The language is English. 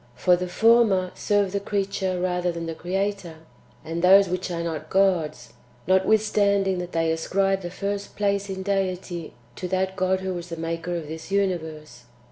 For the former " serve the creature rather than the Creator,"^ and "those which are not gods,"* notwithstanding that they ascribe the first place in Deity to that God who was the Maker of this universe.